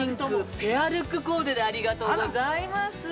ペアルックコーデでありがとうございます。